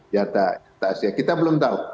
jatah asia kita belum tahu